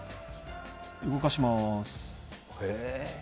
動かします。